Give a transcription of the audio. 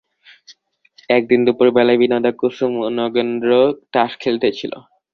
একদিন দুপুরবেলায় বিনোদা কুসুম ও নগেন্দ্র তাস খেলিতেছিল।